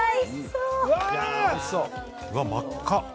うわっ、真っ赤！